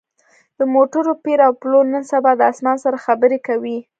د موټرو پېر او پلور نن سبا د اسمان سره خبرې کوي